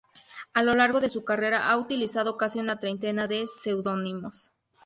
A lo largo de su carrera ha utilizado casi una treintena de seudónimos.